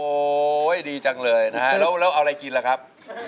ดีจังเลยนะฮะแล้วเอาอะไรกินล่ะครับ